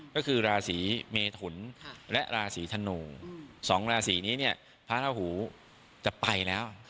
ก็คือราศีเมทุนและราศีธนู๒ราศีนี้เนี่ยพระราหูจะไปแล้ว